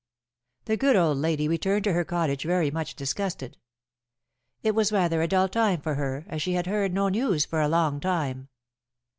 The good old lady returned to her cottage very much disgusted. It was rather a dull time for her, as she had heard no news for a long time.